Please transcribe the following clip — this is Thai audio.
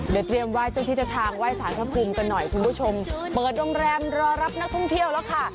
เดี๋ยวเตรียมไหว้เจ้าที่เจ้าทางไหว้สารพระภูมิกันหน่อยคุณผู้ชมเปิดโรงแรมรอรับนักท่องเที่ยวแล้วค่ะ